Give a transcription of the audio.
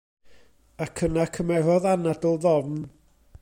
Ac yna cymerodd anadl ddofn.